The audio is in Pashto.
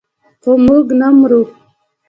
خو موږ نه مرو.